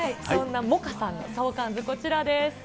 そんな萌歌さんの相関図、こちらです。